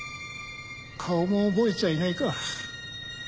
顔も覚えちゃいないか。